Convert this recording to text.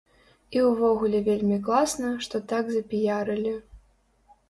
І ўвогуле вельмі класна, што так запіярылі.